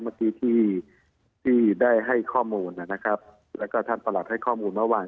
เมื่อกี้ที่ที่ได้ให้ข้อมูลนะครับแล้วก็ท่านประหลัดให้ข้อมูลเมื่อวาน